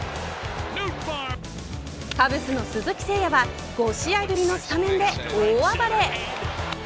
カブスの鈴木誠也は５試合ぶりのスタメンで大暴れ。